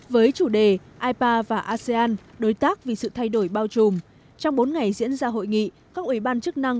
với chủ đề ipa và asean đối tác vì sự thay đổi bao trùm trong bốn ngày diễn ra hội nghị các ủy ban chức năng